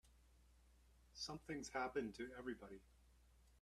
Something's happened to everybody.